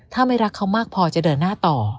ถ้าไม่รักเขามากพอจะเดินหน้าต่อ